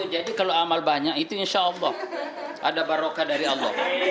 jadi kalau amal banyak itu insya allah ada barokah dari allah